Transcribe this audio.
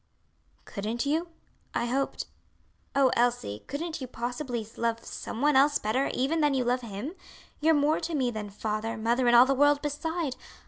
"Couldn't you? I hoped Oh, Elsie, couldn't you possibly love some one else better even than you love him? You're more to me than father, mother, and all the world beside.